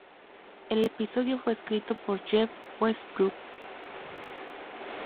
El episodio fue escrito por Jeff Westbrook.